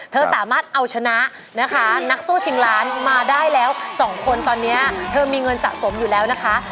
สามารถเอาชนะนะคะนักสู้ชิงล้านมาได้แล้วสองคนตอนนี้เธอมีเงินสะสมอยู่แล้วนะคะ